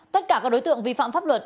tất cả các đối tượng vi phạm pháp luật